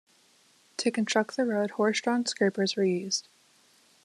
To construct the road, horse-drawn scrapers were used.